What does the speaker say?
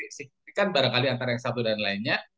ini kan barangkali antara yang satu dan lainnya